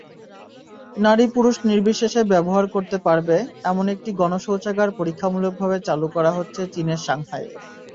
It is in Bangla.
নারী-পুরুষনির্বিশেষে ব্যবহার করতে পারবে—এমন একটি গণশৌচাগার পরীক্ষামূলকভাবে চালু করা হচ্ছে চীনের সাংহাইয়ে।